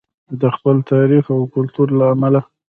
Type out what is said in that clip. د خپل تاریخ او کلتور له امله.